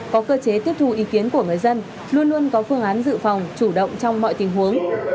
có cơ chế tiếp thu ý kiến của người dân luôn luôn có phương án dự phòng chủ động trong mọi tình huống